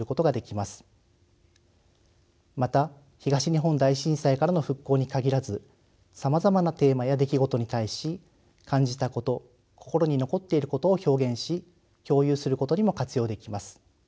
また東日本大震災からの復興に限らずさまざまなテーマや出来事に対し感じたこと心に残っていることを表現し共有することにも活用できます。